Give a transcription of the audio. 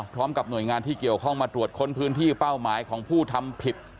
พร้อมกับหน่วยงานที่เกี่ยวข้องมาตรวจค้นพื้นที่เป้าหมายของผู้ทำผิด